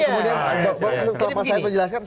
kemudian kalau pak said mau jelaskan